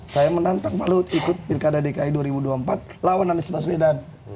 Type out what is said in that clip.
saya menantang pak luhut ikut pilkada dki dua ribu dua puluh empat lawan anies baswedan